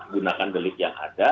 gunakan delik yang ada